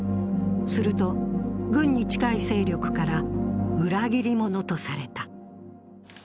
すると軍に近い勢力から裏切り者とされた。